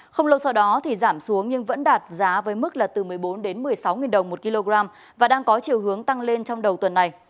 không lâu sau đó thì giảm xuống nhưng vẫn đạt giá với mức là từ một mươi bốn đến một mươi sáu đồng một kg và đang có chiều hướng tăng lên trong đầu tuần này